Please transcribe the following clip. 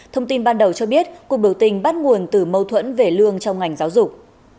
thông tin ban đầu cho biết cuộc biểu tình bắt nguồn từ mâu thuẫn về lương trong ngành giáo dục